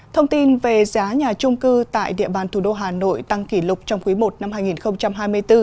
thông tin về giá nhà trung cư tại địa bàn thủ đô hà nội tăng kỷ lục trong quý i năm hai nghìn hai mươi bốn